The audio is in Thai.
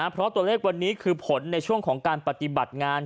เพราะตัวเลขวันนี้คือผลในช่วงของการปฏิบัติงาน